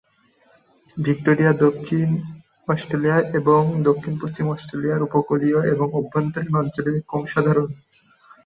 Victoria, দক্ষিণ Australia এবং দক্ষিণ-পশ্চিম অস্ট্রেলিয়ার উপ-উপকূলীয় এবং অভ্যন্তরীণ অঞ্চলে কম সাধারণ।